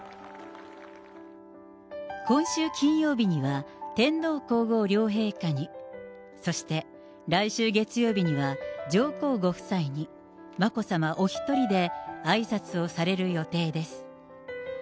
今週金曜日には、天皇皇后両陛下に、そして、来週月曜日には、上皇ご夫妻に、眞子さまお一人であいさつをされる予定です。